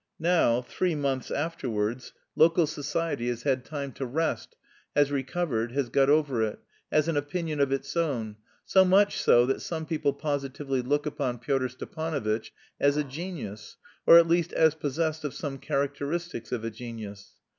Now, three months afterwards, local society has had time to rest, has recovered, has got over it, has an opinion of its own, so much so that some people positively look upon Pyotr Stepanovitch as a genius or at least as possessed of "some characteristics of a genius."